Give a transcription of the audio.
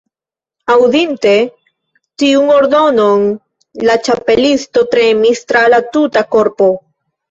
Aŭdinte tiun ordonon la Ĉapelisto tremis tra la tuta korpo.